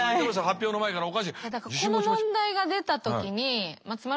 発表の前からおかしい。